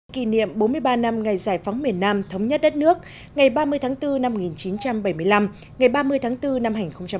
kỷ niệm bốn mươi ba năm ngày giải phóng miền nam thống nhất đất nước ngày ba mươi tháng bốn năm một nghìn chín trăm bảy mươi năm ngày ba mươi tháng bốn năm hai nghìn hai mươi